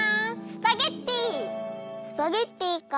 スパゲッティか。